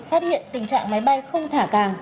phát hiện tình trạng máy bay không thả càng